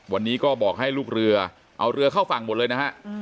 วันนี้ก็บอกให้ลูกเรือเอาเรือเข้าฝั่งหมดเลยนะฮะ